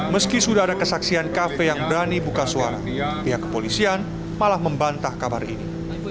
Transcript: meski sudah ada kesaksian kafe yang berani buka suara pihak kepolisian malah membantah kabar ini